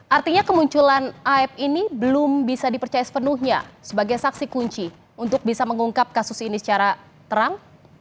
artinya kemunculan aib ini belum bisa dipercaya sepenuhnya sebagai saksi kunci untuk bisa mengungkap kasus ini secara terang